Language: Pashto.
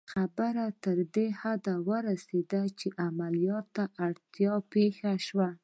خبره تر دې حده ورسېده چې عملیات ته اړتیا پېښه شوه